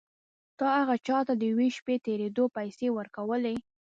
تا هغه چا ته د یوې شپې تېرېدو پيسې ورکولې.